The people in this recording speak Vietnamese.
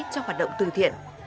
cho hoạt động từ thiện